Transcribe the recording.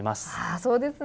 そうですね。